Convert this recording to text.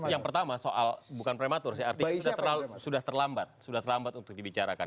yang pertama soal bukan prematur artinya sudah terlambat untuk dibicarakan